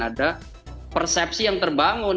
ada persepsi yang terbangun